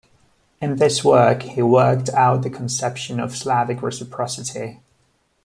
In this work he worked out the conception of Slavic reciprocity.